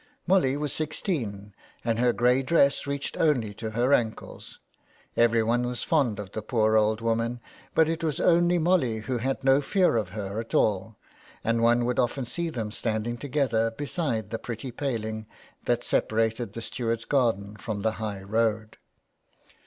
Molly was sixteen, and her grey dress reached only to her ankles. Everyone was fond of the poor old woman ; but it was only Molly who had no fear of her at all, and one would often see them standing together beside the pretty paling that separated the steward's garden from the high road.